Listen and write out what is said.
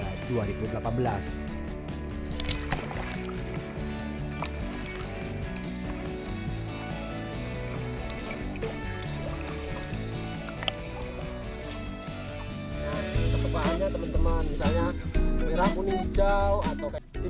nah ini kepepahannya teman teman misalnya merah kuning hijau atau kayak gitu